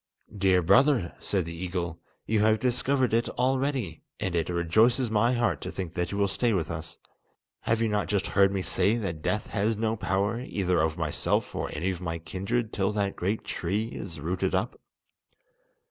"Dear brother," said the eagle, "you have discovered it already, and it rejoices my heart to think that you will stay with us. Have you not just heard me say that death has no power either over myself or any of my kindred till that great tree is rooted up?